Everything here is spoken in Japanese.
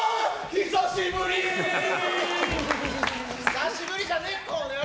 久しぶりじゃねえ、この野郎！